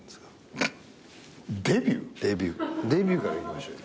デビューからいきましょうよ。